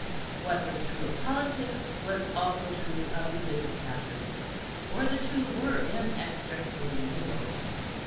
What was true of politics was also true of religious matters, for the two were inextricably mingled.